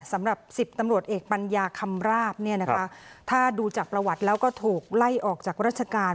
สำหรับ๑๐ตำรวจเอกปัญญาคำราบเนี่ยนะคะถ้าดูจากประวัติแล้วก็ถูกไล่ออกจากราชการ